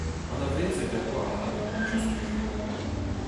Anavezet em boa ac'hanout diouzhtu.